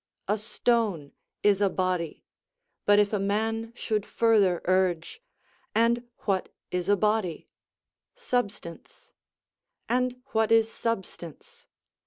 A stone is a body; but if a man should further urge: "And what is a body?" "Substance"; "And what is substance?"